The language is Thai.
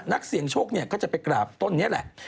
นักเสี่ยงโชคเนี่ยก็จะไปกราบต้นนี้แหละ